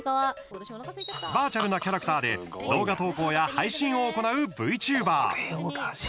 バーチャルなキャラクターで動画投稿や配信を行うＶＴｕｂｅｒ。